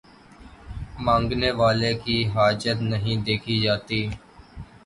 مانگنے والے کی حاجت نہیں دیکھی جاتی